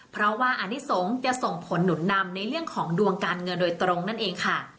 เพราะว่าอนิสงฆ์จะส่งผลหนุนนำในเรื่องของดวงการเงินโดยตรงนั่นเองค่ะ